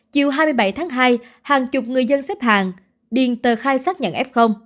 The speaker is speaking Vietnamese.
chiều hai mươi bảy tháng hai hàng chục người dân xếp hàng điền tờ khai xác nhận f